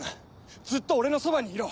ずっと俺のそばにいろ